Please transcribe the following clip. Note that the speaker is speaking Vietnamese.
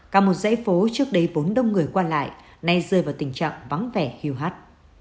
cả một dãy phố trước đây vốn đông người qua lại nay rơi vào tình trạng vắng vẻ hiêu hắt